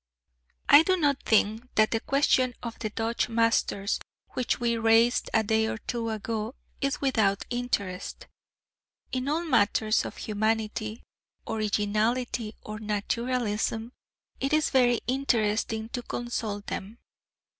I do not think that the question of the Dutch masters which we raised a day or two ago, is without interest. In all matters of humanity, originality, or naturalism, it is very interesting to consult them.